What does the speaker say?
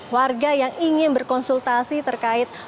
warga yang ingin berkonsultasi terkait